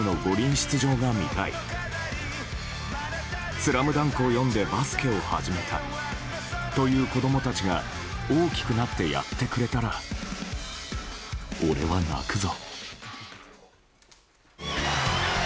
「ＳＬＡＭＤＵＮＫ」を読んで、バスケを始めたという子供たちが大きくなってやってくれたら俺は泣くぞ。